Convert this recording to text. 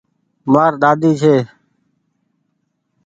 مآر ۮاۮي ڇي۔